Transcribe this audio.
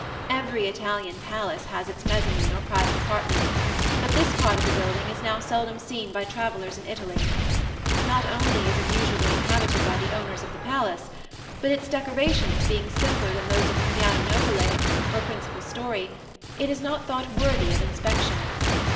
Every Italian palace has its mezzanin or private apartment; but this part of the building is now seldom seen by travellers in Italy. Not only is it usually inhabited by the owners of the palace but, its decorations being simpler than those of the piano nobile, or principal story, it is not thought worthy of inspection.